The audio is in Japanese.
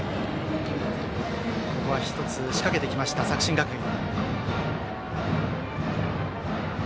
ここは１つ、仕掛けてきました作新学院。